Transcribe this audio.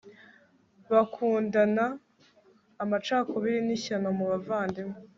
bakundana? amacakubiri ni ishyano mu bavandimwe